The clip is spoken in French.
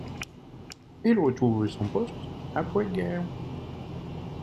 Il retrouve son poste après guerre.